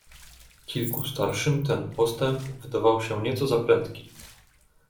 "Kilku starszym ten postęp wydawał się nieco za prędki."